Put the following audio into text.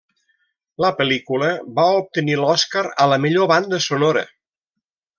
La pel·lícula va obtenir l'Oscar a la millor banda sonora.